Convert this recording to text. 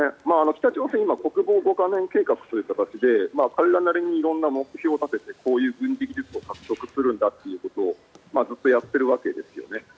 北朝鮮は国防五カ年計画という形で彼らなりに色んな目標を立ててこういう軍事技術を獲得するんだっていうことをずっとやっているわけですよね。